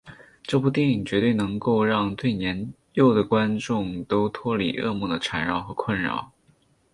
这部电影绝对能够让最年幼的观众都脱离噩梦的缠绕和困扰。